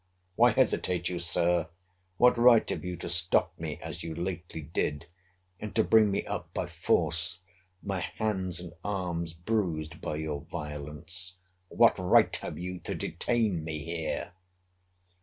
Why hesitate you, Sir? What right have you to stop me, as you lately did; and to bring me up by force, my hands and arms bruised by your violence? What right have you to detain me here?